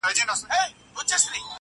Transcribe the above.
پښتون ژغورني غورځنګ ته-!